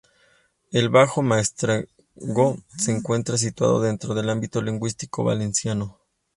El Bajo Maestrazgo se encuentra situado dentro del ámbito lingüístico valenciano.